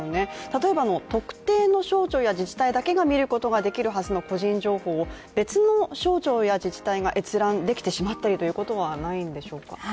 例えば特定の省庁や自治体だけがみられるはずの個人情報を別の省庁や自治体が閲覧できてしまったりということはないんでしょうか。